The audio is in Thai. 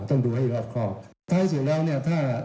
ต้องดูให้รอบครอง